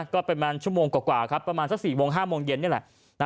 ก็ประมาณชั่วโมงกว่าครับประมาณสัก๔โมง๕โมงเย็นนี่แหละ